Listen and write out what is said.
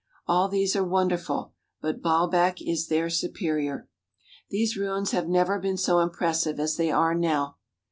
All these are wonder ful, but Baalbek is their superior. These ruins have never been so impressive as they are now.